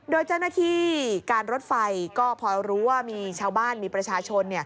โดยเจ้าหน้าที่การรถไฟก็พอรู้ว่ามีชาวบ้านมีประชาชน